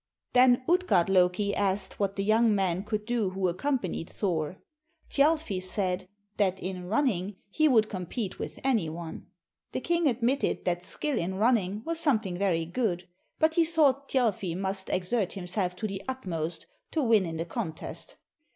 Then Utgard Loki asked what the young man could do who accompanied Thor. Thjalfi said that in running he would compete with any one. The king admitted that skill in running was something very good, but he thought Thjalfi must exert himself to the utmost to win in the contest.